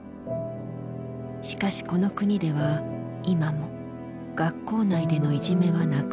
しかしこの国では今も学校内でのいじめはなくなっていない。